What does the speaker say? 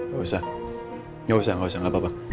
gak usah gak usah gak usah gak apa apa